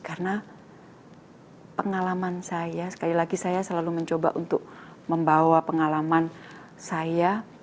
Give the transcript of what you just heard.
karena pengalaman saya sekali lagi saya selalu mencoba untuk membawa pengalaman saya